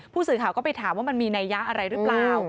ผู้สื่อข่าวก็ไปถามว่ามันมีนัยยะอะไรหรือเปล่า